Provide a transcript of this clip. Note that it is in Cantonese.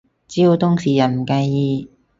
只要當事人唔介意